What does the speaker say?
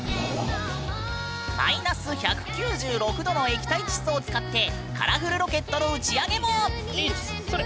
マイナス１９６℃の液体窒素を使ってカラフルロケットの打ち上げも！